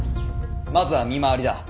まずは見回りだ。